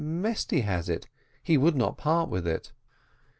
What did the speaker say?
"Mesty has it; he would not part with it."